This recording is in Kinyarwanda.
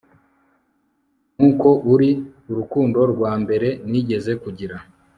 nkuko uri urukundo rwa mbere nigeze kugira